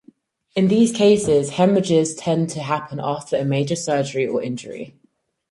In these cases, haemorrhages tend to happen after a major surgery or injury.